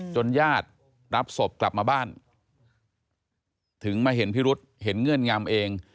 ญาติรับศพกลับมาบ้านถึงมาเห็นพิรุษเห็นเงื่อนงำเอง